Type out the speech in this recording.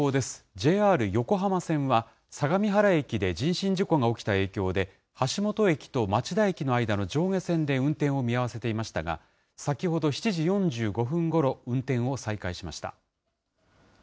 ＪＲ横浜線は相模原駅で人身事故が起きた影響で、橋本駅と町田駅の間の上下線で運転を見合わせていましたが、先ほど７時４５分ごろ、運転を再開しました。